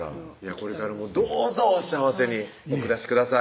これからもどうぞお幸せにお暮らしください